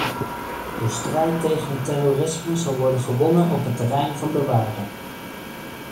De strijd tegen het terrorisme zal worden gewonnen op het terrein van de waarden.